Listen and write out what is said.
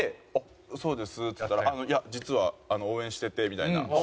「そうです」っつったら「いや実は応援してて」みたいな。